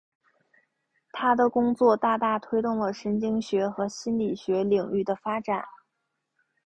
他的工作大大推动了神经学和心理学领域的发展。